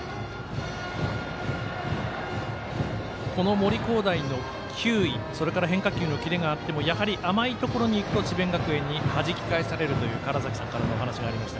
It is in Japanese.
森煌誠の球威変化球のキレがあってもやはり甘いところにいくと智弁学園にはじき返されるという川原崎さんからお話がありました